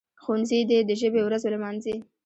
ښوونځي دي د ژبي ورځ ولمانځي.